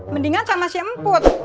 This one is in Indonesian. mendingan sama si empuk